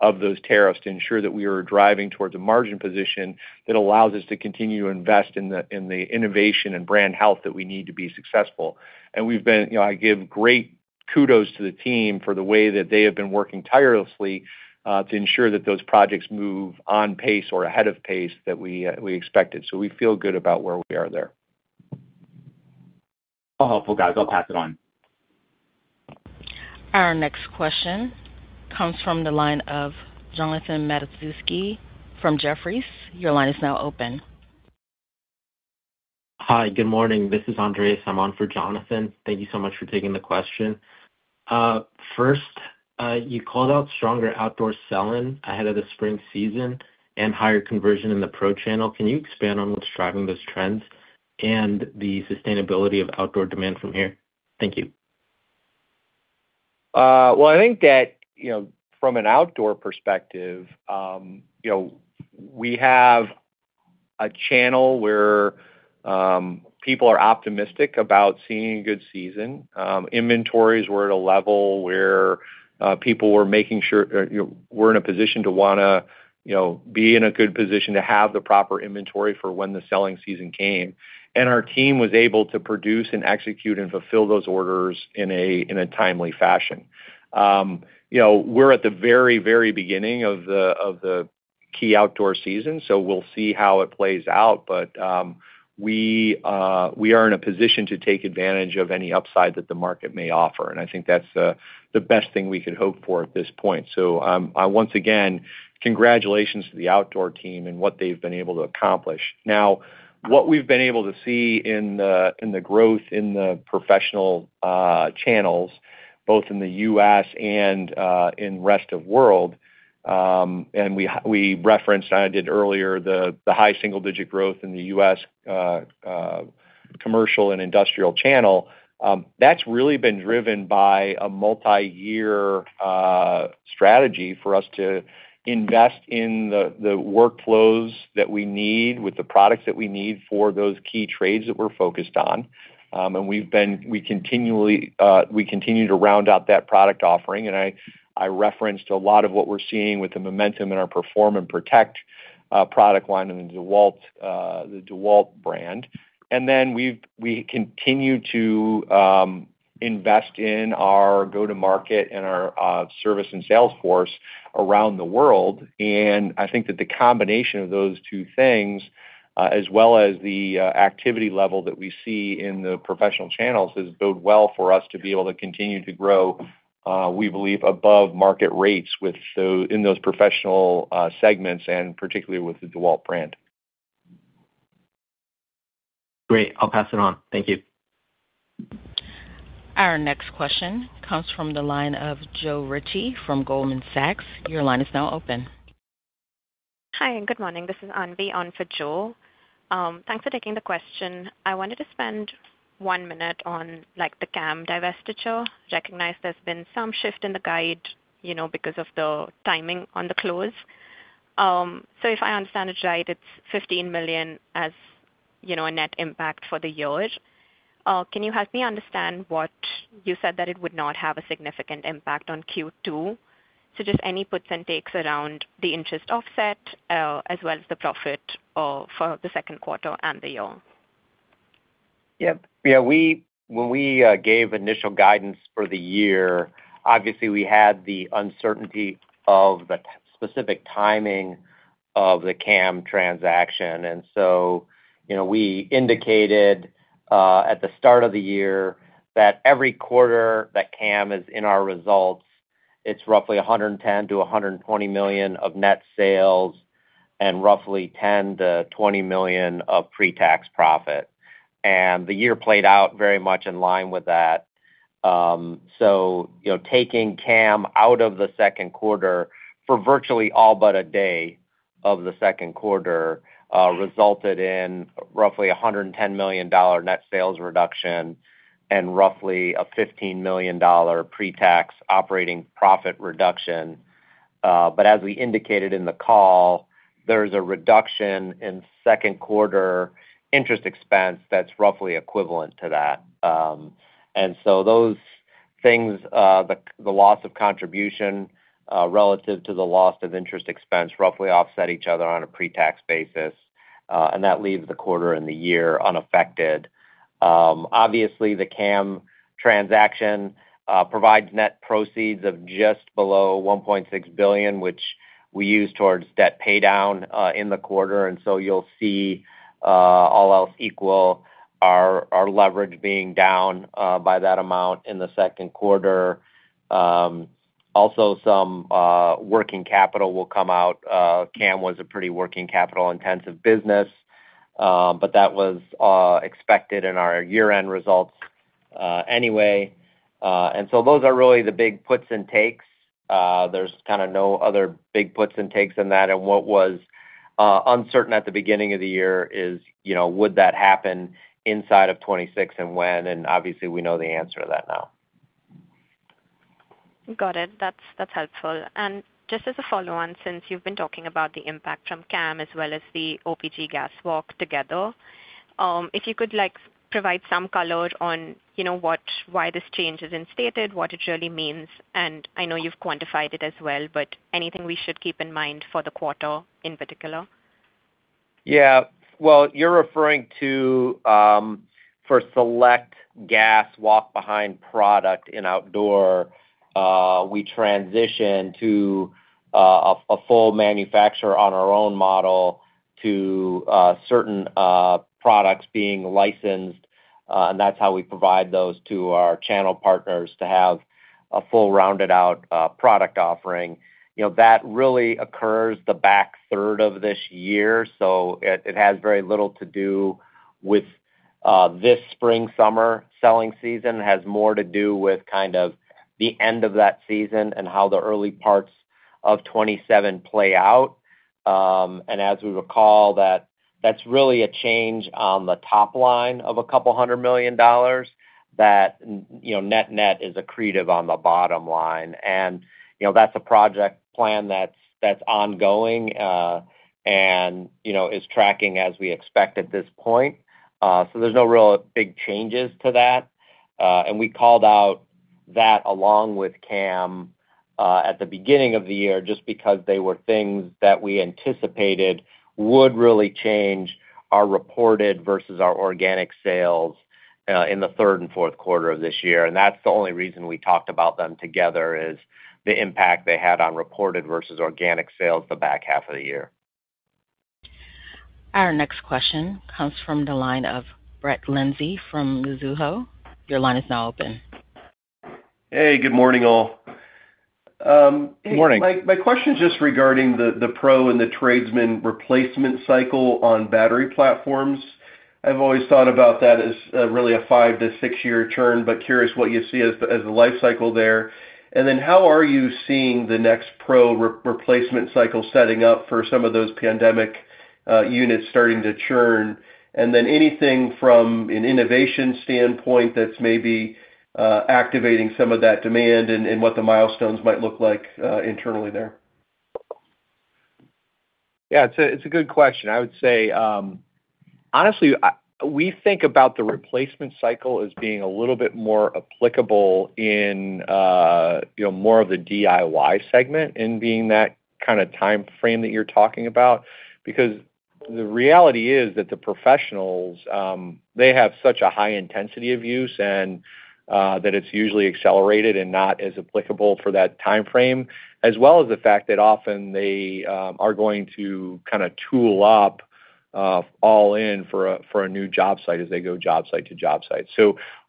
S3: of those tariffs to ensure that we are driving towards a margin position that allows us to continue to invest in the innovation and brand health that we need to be successful. You know, I give great kudos to the team for the way that they have been working tirelessly to ensure that those projects move on pace or ahead of pace that we expected. We feel good about where we are there.
S8: Helpful, guys. I'll pass it on.
S1: Our next question comes from the line of Jonathan Matuszewski from Jefferies. Your line is now open.
S9: Hi. Good morning. This is Andres. I'm on for Jonathan. Thank you so much for taking the question. First, you called out stronger Outdoor sell-in ahead of the spring season and higher conversion in the pro channel. Can you expand on what's driving those trends and the sustainability of Outdoor demand from here? Thank you.
S3: I think that, you know, from an Outdoor perspective, you know, we have a channel where people are optimistic about seeing a good season. Inventories were at a level where people were making sure, you know, were in a position to wanna, you know, be in a good position to have the proper inventory for when the selling season came. Our team was able to produce and execute and fulfill those orders in a timely fashion. You know, we're at the very beginning of the key outdoor season, so we'll see how it plays out. We, we are in a position to take advantage of any upside that the market may offer, and I think that's the best thing we could hope for at this point. I once again, congratulations to the Outdoor team and what they've been able to accomplish. What we've been able to see in the growth in the professional channels, both in the U.S. and in rest of world, and we referenced, and I did earlier, the high single-digit growth in the U.S. commercial and industrial channel. That's really been driven by a multi-year strategy for us to invest in the workflows that we need with the products that we need for those key trades that we're focused on. And we continue to round out that product offering, and I referenced a lot of what we're seeing with the momentum in our PERFORM & PROTECT product line in the DEWALT brand. We continue to invest in our go-to-market and our service and sales force around the world. I think that the combination of those two things, as well as the activity level that we see in the professional channels is bode well for us to be able to continue to grow, we believe above market rates in those professional segments, and particularly with the DEWALT brand.
S9: Great. I'll pass it on. Thank you.
S1: Our next question comes from the line of Joe Ritchie from Goldman Sachs. Your line is now open.
S10: Hi, and good morning. This is Anvi on for Joe. Thanks for taking the question. I wanted to spend one minute on, like, the CAM divestiture. Recognize there's been some shift in the guide, you know, because of the timing on the close. If I understand it right, it's $15 million as, you know, a net impact for the year. Can you help me understand what you said that it would not have a significant impact on Q2? Just any puts and takes around the interest offset, as well as the profit, for the second quarter and the year.
S4: Yeah. Yeah. When we gave initial guidance for the year, obviously we had the uncertainty of the specific timing of the CAM transaction. You know, we indicated at the start of the year that every quarter that CAM is in our results, it's roughly $110 million-$120 million of net sales and roughly $10 million-$20 million of pre-tax profit. The year played out very much in line with that. You know, taking CAM out of the second quarter for virtually all but a day of the second quarter, resulted in roughly a $110 million net sales reduction and roughly a $15 million pre-tax operating profit reduction. As we indicated in the call, there's a reduction in second quarter interest expense that's roughly equivalent to that. Those things, the loss of contribution relative to the loss of interest expense roughly offset each other on a pre-tax basis, and that leaves the quarter and the year unaffected. Obviously, the CAM transaction provides net proceeds of just below $1.6 billion, which we use towards debt paydown in the quarter. You'll see, all else equal our leverage being down by that amount in the second quarter. Also some working capital will come out. CAM was a pretty working capital-intensive business, but that was expected in our year-end results anyway. Those are really the big puts and takes. There's kinda no other big puts and takes in that. What was uncertain at the beginning of the year is, you know, would that happen inside of 2026 and when, and obviously, we know the answer to that now.
S10: Got it. That's helpful. Just as a follow-on, since you've been talking about the impact from CAM as well as the OPG Gas walk together, if you could, like, provide some color on, you know, why this change has been stated, what it really means. I know you've quantified it as well, but anything we should keep in mind for the quarter in particular?
S4: Well, you're referring to, for select gas walk-behind product in Outdoor, we transition to a full manufacturer on our own model to certain products being licensed. That's how we provide those to our channel partners to have a full rounded out product offering. You know, that really occurs the back third of this year. It, it has very little to do with this spring, summer selling season. It has more to do with kind of the end of that season and how the early parts of 2027 play out. As we recall that that's really a change on the top line of a couple hundred million dollars that you know, net net is accretive on the bottom line. You know, that's a project plan that's ongoing, and, you know, is tracking as we expect at this point. There's no real big changes to that. We called out that along with CAM at the beginning of the year, just because they were things that we anticipated would really change our reported versus our organic sales in the 3rd and 4th quarter of this year. That's the only reason we talked about them together is the impact they had on reported versus organic sales the back half of the year.
S1: Our next question comes from the line of Brett Linzey from Mizuho. Your line is now open.
S11: Hey, good morning, all.
S3: Good morning.
S11: My question is just regarding the Pro and the Tradesman replacement cycle on battery platforms. I've always thought about that as really a 5–6-year turn, curious what you see as the life cycle there. How are you seeing the next Pro replacement cycle setting up for some of those pandemic units starting to churn? Anything from an innovation standpoint that's maybe activating some of that demand and what the milestones might look like internally there.
S3: Yeah, it's a good question. I would say, honestly, we think about the replacement cycle as being a little bit more applicable in, you know, more of the DIY segment in being that kind of timeframe that you're talking about. The reality is that the professionals, they have such a high intensity of use and that it's usually accelerated and not as applicable for that timeframe. As well as the fact that often they are going to kind of tool up all in for a new job site as they go job site to job site.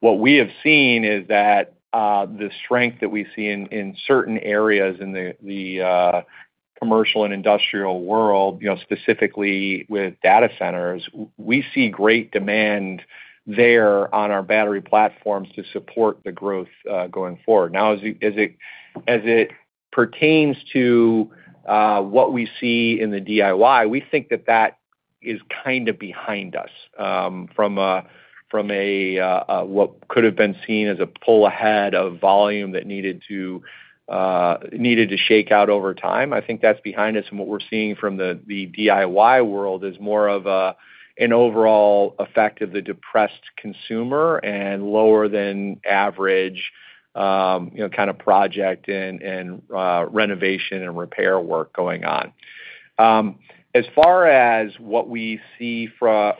S3: What we have seen is that the strength that we see in certain areas in the commercial and industrial world, you know, specifically with data centers, we see great demand there on our battery platforms to support the growth going forward. As it pertains to what we see in the DIY, we think that that is kind of behind us from a what could have been seen as a pull ahead of volume that needed to shake out over time. I think that's behind us, and what we're seeing from the DIY world is more of an overall effect of the depressed consumer and lower than average, you know, kind of project and renovation and repair work going on. As far as what we see for,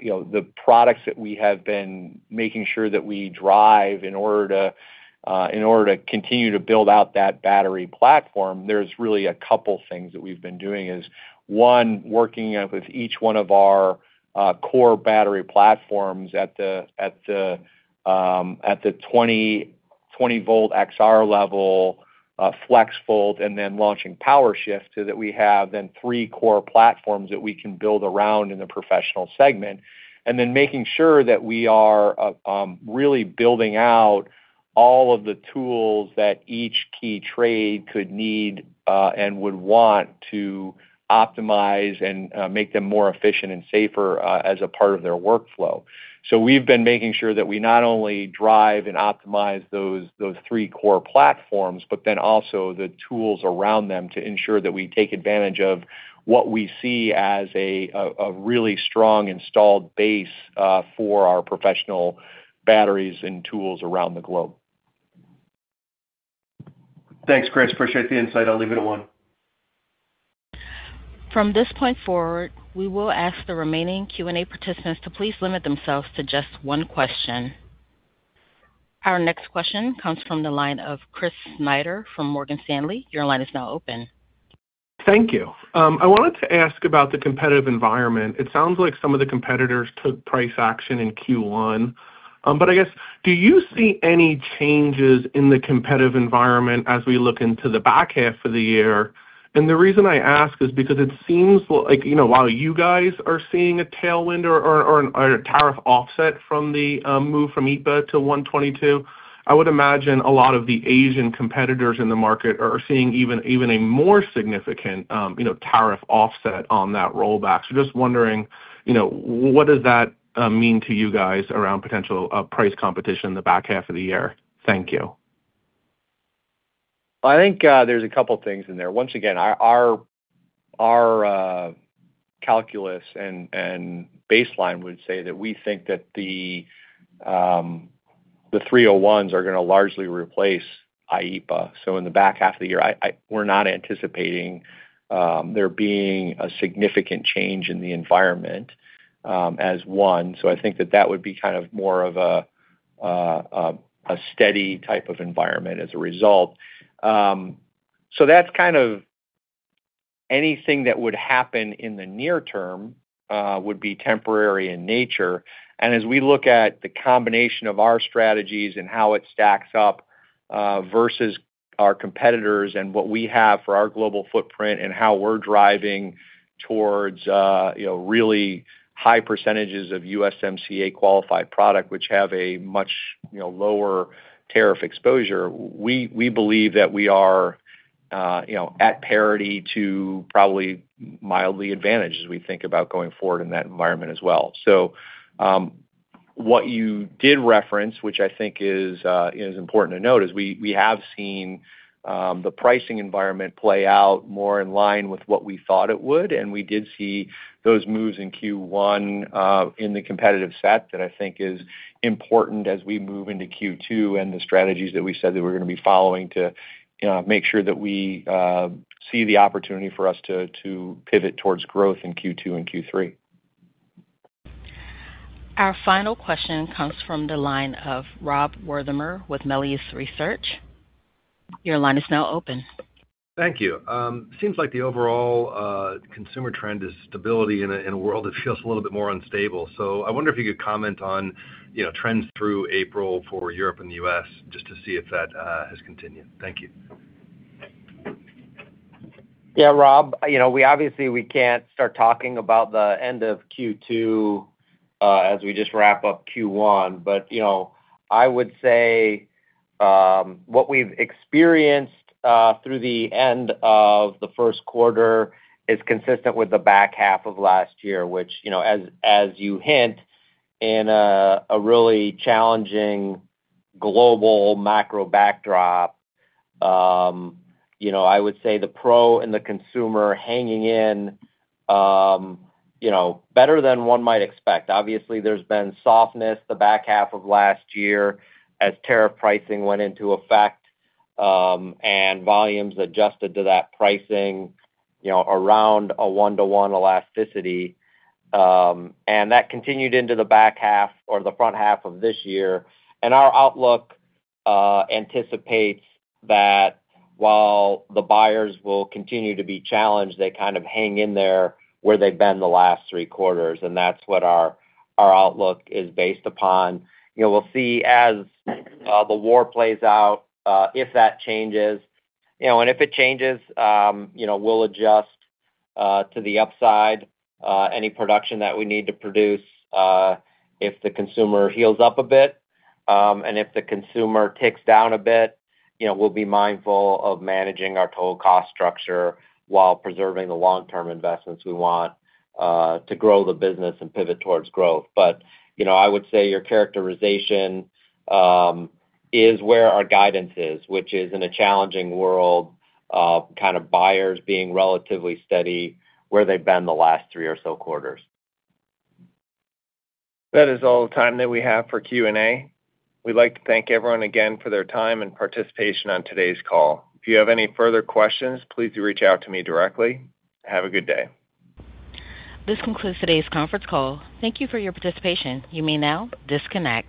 S3: you know, the products that we have been making sure that we drive in order to continue to build out that battery platform, there's really a couple things that we've been doing is, one, working with each one of our core battery platforms at the 20 volt XR level, FLEXVOLT, and then launching POWERSHIFT so that we have then three core platforms that we can build around in the professional segment. making sure that we are really building out all of the tools that each key trade could need and would want to optimize and make them more efficient and safer as a part of their workflow. We've been making sure that we not only drive and optimize those three core platforms, but then also the tools around them to ensure that we take advantage of what we see as a really strong installed base for our professional batteries and tools around the globe.
S11: Thanks, Chris. Appreciate the insight. I'll leave it at one.
S1: From this point forward, we will ask the remaining Q&A participants to please limit themselves to just one question. Our next question comes from the line of Chris Snyder from Morgan Stanley.
S12: Thank you. I wanted to ask about the competitive environment. It sounds like some of the competitors took price action in Q1. I guess, do you see any changes in the competitive environment as we look into the back half of the year? The reason I ask is because it seems like, you know, while you guys are seeing a tailwind or a tariff offset from the move from IEEPA to Section 122, I would imagine a lot of the Asian competitors in the market are seeing even a more significant, you know, tariff offset on that rollback. Just wondering, you know, what does that mean to you guys around potential price competition in the back half of the year? Thank you.
S3: I think there's a couple things in there. Once again, our calculus and baseline would say that we think that Section 301s are gonna largely replace IEEPA. In the back half of the year, we're not anticipating there being a significant change in the environment as one. I think that that would be kind of more of a steady type of environment as a result. That's kind of anything that would happen in the near term would be temporary in nature. As we look at the combination of our strategies and how it stacks up versus our competitors and what we have for our global footprint and how we're driving towards, you know, really high percentages of USMCA-qualified product, which have a much, you know, lower tariff exposure, we believe that we are, you know, at parity to probably mildly advantage as we think about going forward in that environment as well. What you did reference, which I think is important to note, is we have seen the pricing environment play out more in line with what we thought it would, and we did see those moves in Q1 in the competitive set that I think is important as we move into Q2 and the strategies that we said that we're gonna be following to make sure that we see the opportunity for us to pivot towards growth in Q2 and Q3.
S1: Our final question comes from the line of Rob Wertheimer with Melius Research. Your line is now open.
S13: Thank you. Seems like the overall consumer trend is stability in a, in a world that feels a little bit more unstable. I wonder if you could comment on, you know, trends through April for Europe and the U.S. just to see if that has continued? Thank you.
S4: Yeah, Rob, you know, we obviously we can't start talking about the end of Q2 as we just wrap up Q1. You know, I would say what we've experienced through the end of the first quarter is consistent with the back half of last year, which, you know, as you hint, in a really challenging global macro backdrop, you know, I would say the pro and the consumer hanging in, you know, better than one might expect. Obviously, there's been softness the back half of last year as tariff pricing went into effect, and volumes adjusted to that pricing, you know, around a one-to-one elasticity. That continued into the back half or the front half of this year. Our outlook anticipates that while the buyers will continue to be challenged, they kind of hang in there where they've been the last three quarters, and that's what our outlook is based upon. You know, we'll see as the war plays out if that changes. You know, if it changes, you know, we'll adjust to the upside any production that we need to produce if the consumer heals up a bit. If the consumer ticks down a bit, you know, we'll be mindful of managing our total cost structure while preserving the long-term investments we want to grow the business and pivot towards growth. You know, I would say your characterization is where our guidance is, which is in a challenging world of kind of buyers being relatively steady where they've been the last three or so quarters.
S2: That is all the time that we have for Q&A. We'd like to thank everyone again for their time and participation on today's call. If you have any further questions, please do reach out to me directly. Have a good day.
S1: This concludes today's conference call. Thank you for your participation. You may now disconnect.